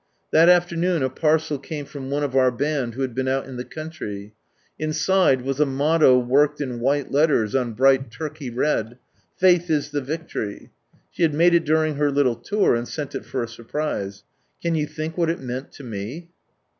That afternoon a parcel came from one of our band who had been out in the coun try, Inside, was a motto worked in white letters on bright Turkey red. "Faith IS THE Victory 1 " She had made it during her little tour, and sent it for a sur prise. Can you think what it meant to me?